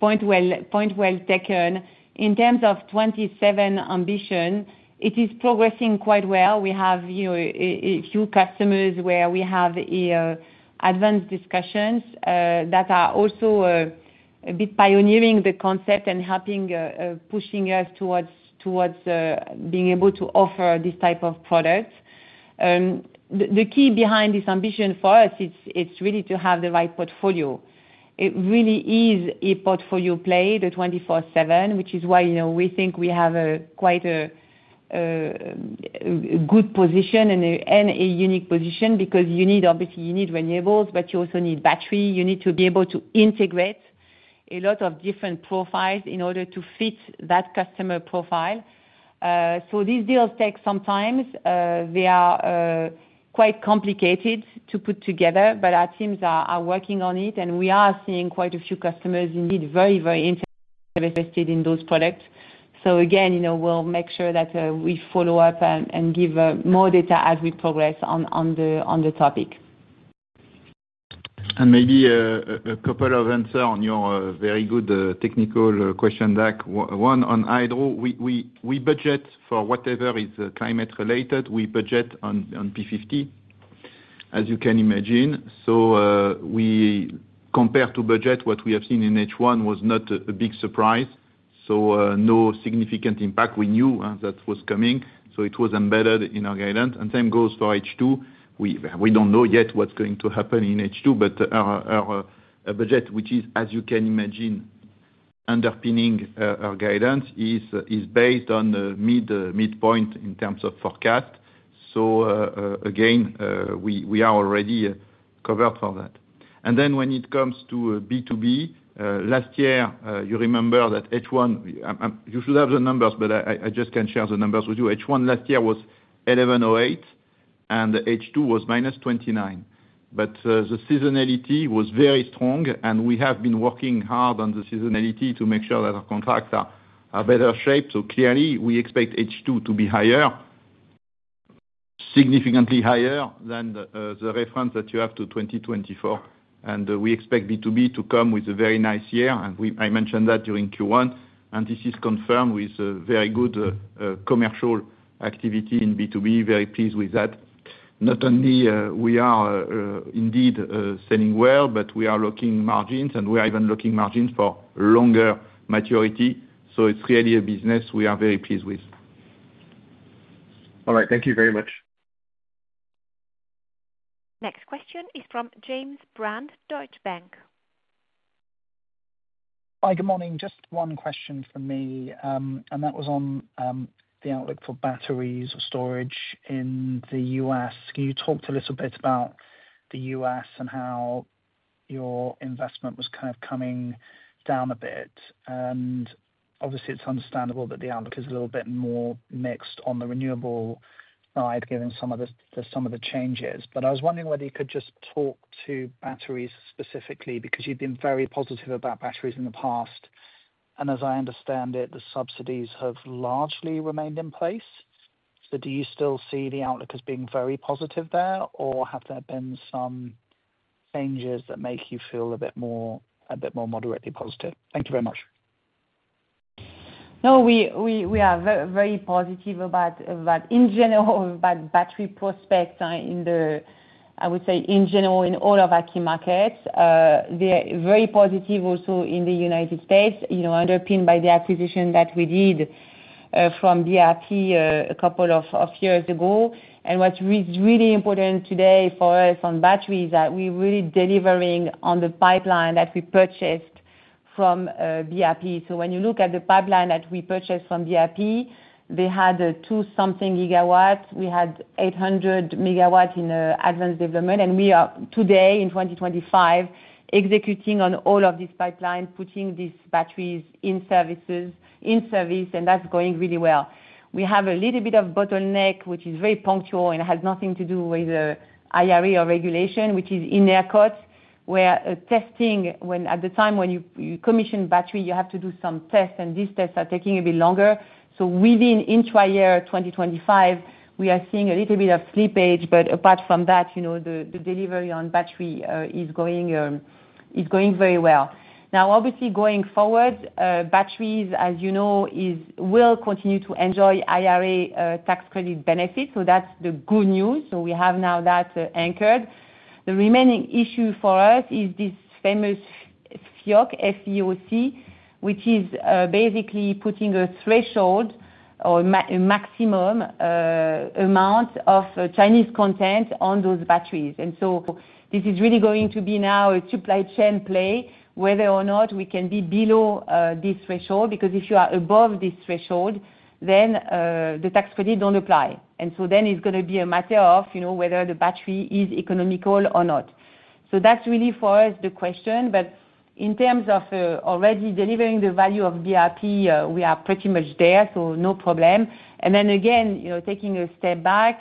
C: Point well taken in terms of 24/7 ambition, it is progressing quite well. We have a few customers where we have advanced discussions that are also a bit pioneering the concept and helping push us towards being able to offer this type of product. The key behind this ambition for us, it's really to have the right portfolio. It really is a portfolio play, the 24/7, which is why we think we have quite a good position and a unique position because you need, obviously, you need renewables, but you also need battery. You need to be able to integrate a lot of different profiles in order to fit that customer profile. These deals take some time. They are quite complicated to put together, but our teams are working on it and we are seeing quite a few customers indeed very, very interested in those products. Again, we'll make sure that we follow up and give more data as we progress on the topic.
D: Maybe a couple of answers on your very good technical question. On hydro, we budget for whatever is climate related. We budget on P50, as you can imagine. Compared to budget, what we have seen in H1 was not a big surprise, so no significant impact. We knew that was coming, so it was embedded in our guidance. The same goes for H2. We don't know yet what's going to happen in H2, but our budget, which is, as you can imagine, underpinning our guidance, is based on the midpoint in terms of forecast. Again, we are already covered for that. When it comes to B2B last year, you remember that H1, you should have the numbers, but I just can share the numbers with you. H1 last year was 1,108 and H2 was -29. The seasonality was very strong and we have been working hard on the seasonality to make sure that our contracts are better shaped. Clearly, we expect H2 to be higher, significantly higher than the reference that you have to 2024. We expect B2B to come with a very nice year. I mentioned that during Q1 and this is confirmed with very good commercial activity in B2B. Very pleased with that. Not only are we indeed selling well, but we are looking at margins and we are even looking at margins for longer maturity. It's really a business we are very pleased with. All right, thank you very much.
A: Next question is from James Brown, Deutsche Bank.
I: Just one question for me, and that was on the outlook for batteries or storage in the U.S. Can you talk a little bit about the U.S. and how your investment was kind of coming down a bit? Obviously, it's understandable that the outlook is a little bit more mixed on the renewable side, given some of the changes. I was wondering whether you could just talk to batteries specifically, because you've been very positive about batteries in the past, and as I understand it, the subsidies have largely remained in place. Do you still see the outlook as being very positive there, or have there been some changes that make you feel a bit more, a bit more moderately positive? Thank you very much.
C: No, we are very positive in general about battery prospects in all of our key markets. They are very positive, also in the United States underpinned by the acquisition that we did from BRP a couple of years ago. What is really important today for us on battery is that we are really delivering on the pipeline that we purchased from BRP. When you look at the pipeline that we purchased from BRP, they had a two something GW, we had 800 MW in advanced development, and we are today in 2025 executing on all of this pipeline, putting these batteries in service. That's going really well. We have a little bit of bottleneck, which is very punctual and has nothing to do with IRA or regulation, which is in aircraft where testing at the time when you commission battery you have to do some tests, and these tests are taking a bit longer. Within intra year 2025, we are seeing a little bit of slippage. Apart from that, the delivery on battery is going very well. Obviously, going forward, batteries as you know will continue to enjoy IRA tax credit benefits. That's the good news. We have now that anchored. The remaining issue for us is this famous FEOC, which is basically putting a threshold or a maximum amount of Chinese content on those batteries. This is really going to be now a supply chain play, whether or not we can be below this threshold. If you are above this threshold, then the tax credit doesn't apply. Then it's going to be a matter of whether the battery is economical or not. That's really for us the question. In terms of already delivering the value of BRP, we are pretty much there, so no problem. Taking a step back,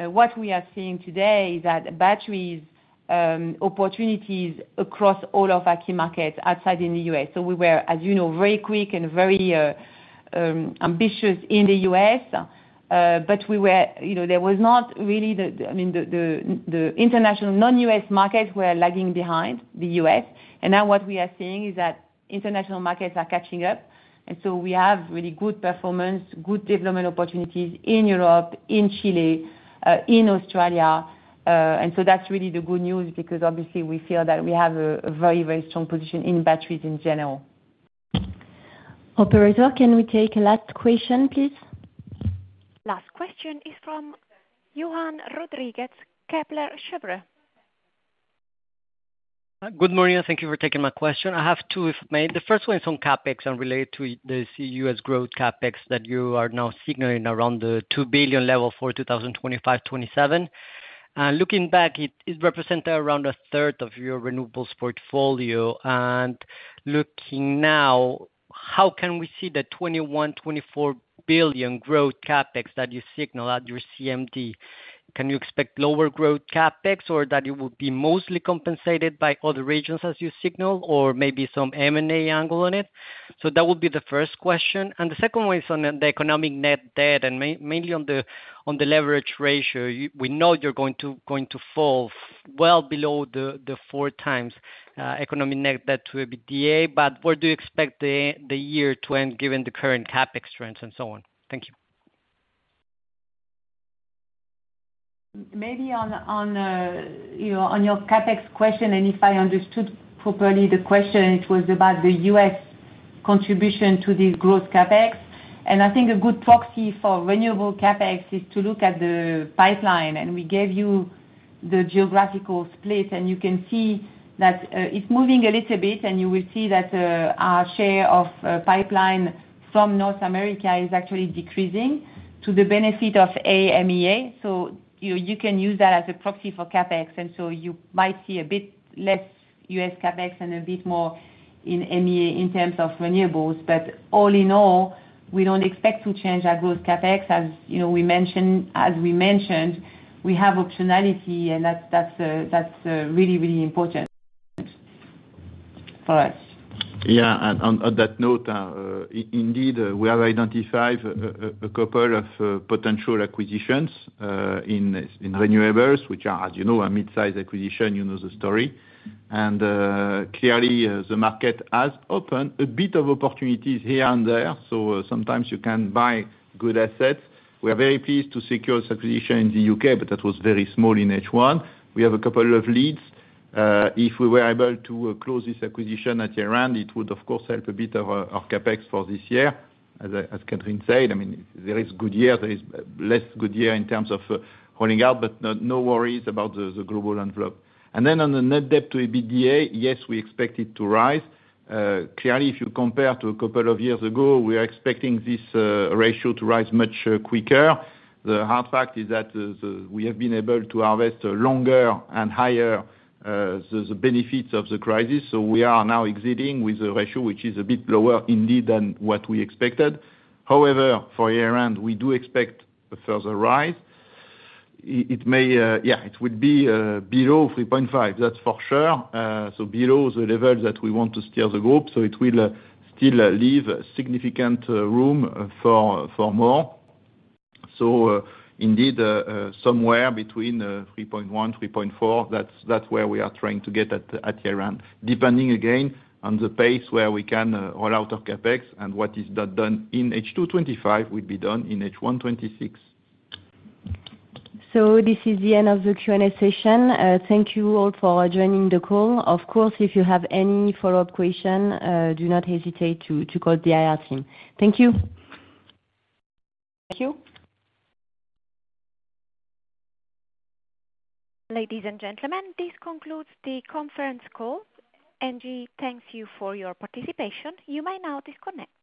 C: what we are seeing today is that batteries opportunities across all of our key markets outside in the U.S. We were, as you know, very quick and very ambitious in the U.S., but the international non-U.S. markets were lagging behind the U.S., and now what we are seeing is that international markets are catching up. We have really good performance, good development opportunities in Europe, in Chile, in Australia. That's really the good news because we feel that we have a very, very strong position in batteries in general. Operator, can we take a last question please?
A: Last question is from Juan Rodriguez, Kepler.
J: Good morning, thank you for taking my question. I have two if I may. The first one is on CapEx and related to the U.S. growth CapEx that you are now signaling around the $2 billion level for 2025-2027. Looking back, it has represented around a third of your renewables portfolio. Looking now, how can we see the $21-24 billion growth CapEx that you signal at your CMD? Can we expect lower growth CapEx or that it would be mostly compensated by other regions as you signal, or maybe some M&A angle on it? That would be the first question. The second one is on the economic net debt and mainly on the leverage ratio. We know you're going to fall well below the 4x economic net debt to EBITDA, but where do you expect the year to end given the current CapEx, CapEx trends, and so on?
C: Thank you. Maybe on your CapEx question, and if I understood properly the question, it was about the U.S. contribution to the growth CapEx and I think a good proxy for renewable CapEx is to look at the pipeline and we gave you the geographical split and you can see that it's moving a little bit and you will see that our share of pipeline from North America is actually decreasing to the benefit of AMEA. You can use that as a proxy for CapEx and you might see a bit less U.S. CapEx and a bit more in AMEA in terms of renewables. All in all, we don't expect to change our gross CapEx. As we mentioned, we have optionality and that's really, really important for us.
D: Yeah. On that note, indeed we have identified a couple of potential acquisitions in renewables which are, as you know, a mid-sized acquisition. You know the story and clearly the market has opened a bit of opportunities here and there. Sometimes you can buy good assets. We are very pleased to secure this acquisition in the UK, but that was very small in H1. We have a couple of leads. If we were able to close this acquisition at year end, it would of course help a bit of CapEx for this year, as Catherine said. I mean there is good year, there is less good year in terms of holding out, but no worries about the global envelope. On the net debt to EBITDA, yes, we expect it to rise. Clearly if you compare to a couple of years ago, we are expecting this ratio to rise much quicker. The hard fact is that we have been able to harvest longer and higher the benefits of the crisis. We are now exiting with a ratio which is a bit lower indeed than what we expected. However, for year end we do expect a further rise. It may, yeah, it would be below 3.5%, that's for sure. Below the level that we want to steer the group. It will still leave significant room for more. Indeed, somewhere between 3.1%, 3.4%. That's where we are trying to get at year end, depending again on the pace where we can roll out CapEx and what is done in H2 2025 will be done in H1 2026.
C: This is the end of the Q&A session. Thank you all for joining the call. Of course, if you have any follow up question, do not hesitate to call the IR team. Thank you. Thank you.
A: Ladies and gentlemen, this concludes the conference call. ENGIE thanks you for your participation. You may now disconnect.